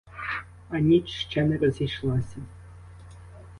А ніч ще не розійшлася.